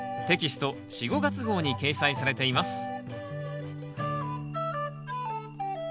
テキスト４・５月号に掲載されています